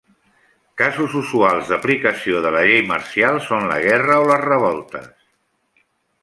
Casos usuals d'aplicació de la llei marcial són la guerra o les revoltes.